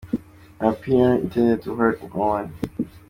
my opinion intended to hurt no one.